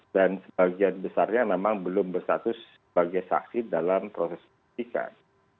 dan sebagian besarnya memang belum berstatus sebagai saksi dalam proses penyidikan